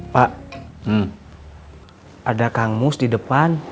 pak ada kang mus di depan